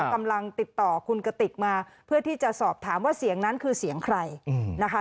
กำลังติดต่อคุณกติกมาเพื่อที่จะสอบถามว่าเสียงนั้นคือเสียงใครนะคะ